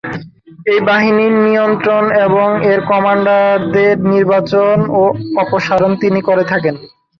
এই বাহিনীর নিয়ন্ত্রণ এবং এর কমান্ডারদের নির্বাচন ও অপসারণ তিনি করে থাকেন।